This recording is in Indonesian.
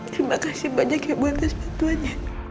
terima kasih banyak ya bu untuk bantuannya